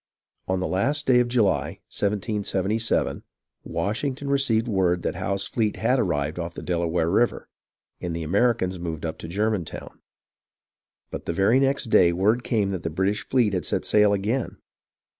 On the last day of July, 1777, Washington received word that Howe's fleet had arrived off the Delaware River, and the Americans moved up to Germantown ; but the very next day word came that the British fleet had set sail again.